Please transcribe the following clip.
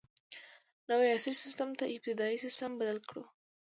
نوي عصري سیسټم ته ابتدايي سیسټم بدل کړو.